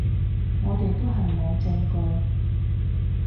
我哋都係冇證據